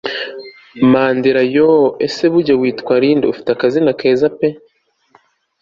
Mandela yoooo ese burya witwa Linda Ufite akazina keza pe